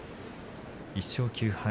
１勝９敗。